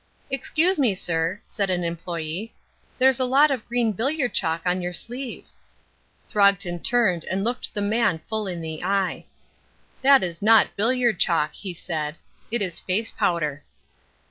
"Excuse me, sir," said an employé, "there's a lot of green billiard chalk on your sleeve." Throgton turned and looked the man full in the eye. "That is not billiard chalk," he said, "it is face powder."